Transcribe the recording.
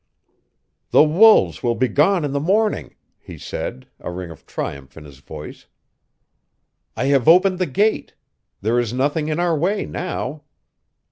"The wolves will be gone in the morning," he said, a ring of triumph in his voice. "I have opened the gate. There is nothing in our way now."